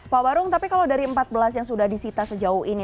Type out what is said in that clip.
pak barung tapi kalau dari empat belas yang sudah disita sejauh ini